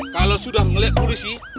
kalo sudah ngeliat polisi